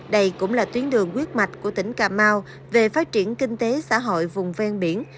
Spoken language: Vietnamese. đây cũng là tuyến đường quyết mạch của tỉnh cà mau về phát triển kinh tế xã hội vùng ven biển